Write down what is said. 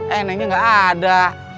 eh neneknya gak ada